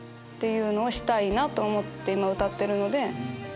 いうのをしたいなと思って今歌ってるので。